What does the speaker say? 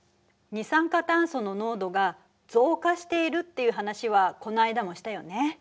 二酸化炭素の濃度が増加しているっていう話はこの間もしたよね？